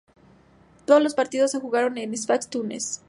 Todos los partidos se jugaron en Sfax, Túnez.